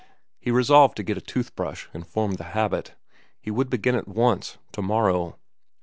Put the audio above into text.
He resolved to get a tooth brush and form the habit. He would begin at once, to morrow.